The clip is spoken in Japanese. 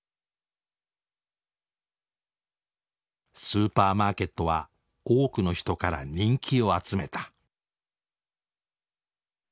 スーパーマーケットは多くの人から人気を集めた。